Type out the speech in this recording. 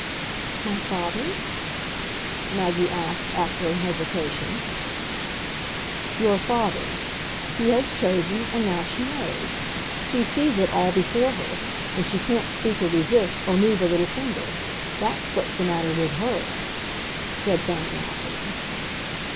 "My father's?" Maggie asked after an hesitation. "Your father's. He has chosen and now she knows. She sees it all before her and she can't speak, or resist, or move a little finger. That's what's the matter with HER," said Fanny Assingham.